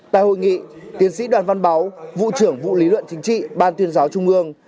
tại hội nghị tiến sĩ đoàn văn báu vụ trưởng vụ lý luận chính trị ban tuyên giáo trung ương